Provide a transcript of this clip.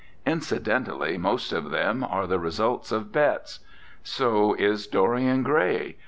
... Incidentally, most of them are the re sults of bets. So is 'Dorian Grey.'